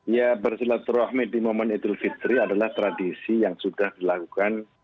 ya bersilaturahmi di momen idul fitri adalah tradisi yang sudah dilakukan